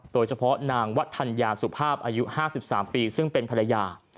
โดยเฉพาะนางวัฒนยาสุภาพอายุ๕๓ปีซึ่งเป็นภรรยา